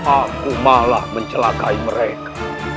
aku malah mencelakai mereka